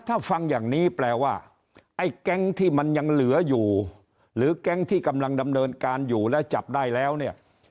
ถ้าฟังอย่างนี้แปลว่าไอ้แก๊งที่มันยังเหลืออยู่หรือแก๊งที่กำลังดำเนินการอยู่และจับได้แล้วเนี่ย